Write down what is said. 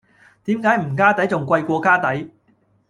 點解唔加底仲貴過加底?